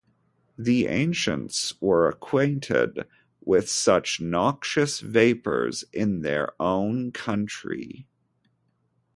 The ancients were acquainted with such noxious vapors in their own country.